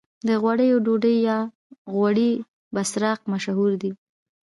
د غوړیو ډوډۍ یا غوړي بسراق مشهور دي.